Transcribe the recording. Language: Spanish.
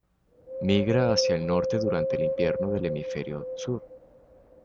Migra hacia el norte durante el invierno del hemisferio sur.